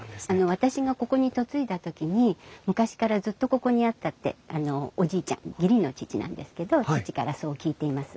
私がここに嫁いだ時に昔からずっとここにあったってあのおじいちゃん義理の父なんですけど義父からそう聞いています。